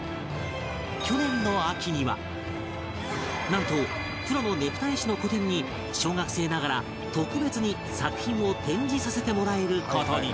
去年の秋にはなんとプロのねぷた絵師の個展に小学生ながら特別に作品を展示させてもらえる事に